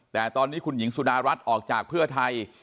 แต่ตอนนี้คุณหญิงสุดารัฐออกจากเพื่อไทย